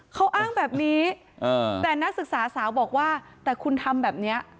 เขาอ้างแบบนี้แต่นักศึกษาสาวบอกว่าแต่คุณทำแบบนี้